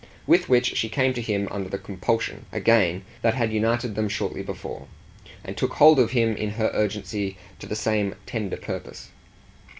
With which she came to him under the compulsion, again, that had united them shortly before, and took hold of him in her urgency to the same tender purpose.